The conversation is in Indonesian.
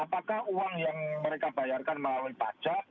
apakah uang yang mereka bayarkan melalui pajak